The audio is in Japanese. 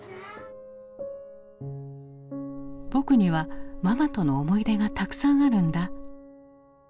「僕にはママとの思い出がたくさんあるんだ」。